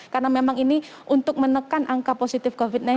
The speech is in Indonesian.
karena memang ini untuk menekan angka positif covid sembilan belas